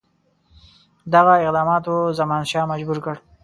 دغه اقداماتو زمانشاه مجبور کړ.